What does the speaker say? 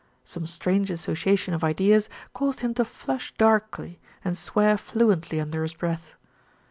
Some strange association of ideas caused him to flush darkly and swear fluently under his breath.